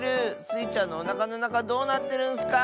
スイちゃんのおなかのなかどうなってるんスか！